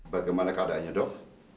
bagaimana keadaannya dok